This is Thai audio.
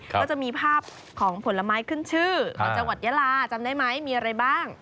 ก็จะมีภาพของผลไม้ขึ้นชื่อของจังหวัดยาลาจำได้ไหมมีอะไรบ้าง